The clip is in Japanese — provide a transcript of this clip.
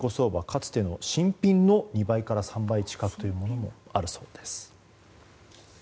かつての新品の２倍から３倍くらいのものもあるそうです。